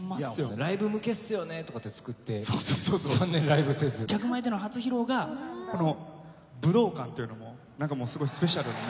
ライブ向けっすよねとかって作って、客前での初披露が武道館というのも、なんかもう、スペシャルなね。